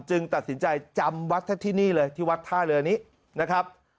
จึงตัดสินใจจำวัดท่าเรือนี่เลย